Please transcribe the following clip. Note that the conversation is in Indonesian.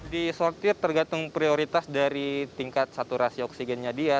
di sortir tergantung prioritas dari tingkat saturasi oksigennya dia